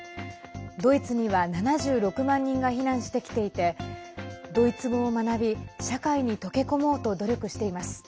ドイツには７６万人が避難してきていてドイツ語を学び社会に溶け込もうと努力しています。